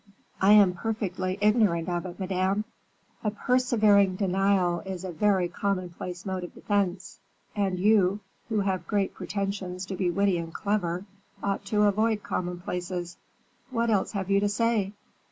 "I am perfectly ignorant of it, madame." "A persevering denial is a very commonplace mode of defense, and you, who have great pretensions to be witty and clever, ought to avoid commonplaces. What else have you to say?"